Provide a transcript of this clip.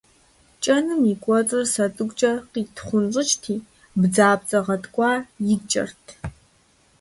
КӀэным и кӀуэцӀыр сэ цӀыкӀукӀэ къиттхъунщӀыкӀти, бдзапцӀэ гъэткӀуа иткӀэрт.